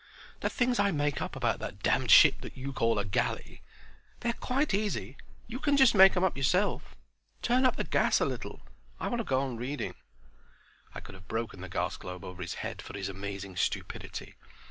"The things I make up about that damned ship that you call a galley? They're quite easy. You can just make 'em up yourself. Turn up the gas a little, I want to go on reading." I could have broken the gas globe over his head for his amazing stupidity.